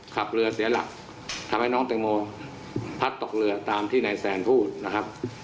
ขับเรือเสียหลักทำให้น้องแตงโมพัดตกเรือตามที่นายแซนพูดนะครับ